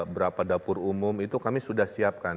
berapa dapur umum itu kami sudah siapkan